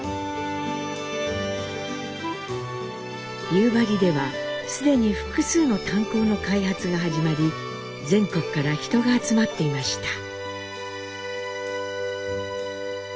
夕張では既に複数の炭鉱の開発が始まり全国から人が集まっていました。